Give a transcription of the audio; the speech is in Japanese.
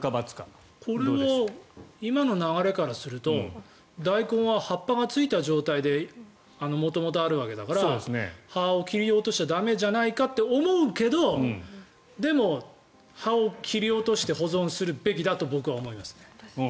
これは今の流れからするとダイコンは葉っぱがついた状態で元々あるわけだから葉を切り落としちゃ駄目じゃないかって思うけどでも、葉を切り落として保存するべきだと僕は思いますね。